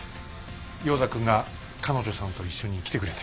ヨーダ君が彼女さんと一緒に来てくれて。